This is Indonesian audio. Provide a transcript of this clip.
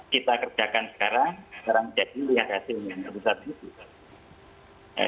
kita kerjakan sekarang sekarang jadi liat hasilnya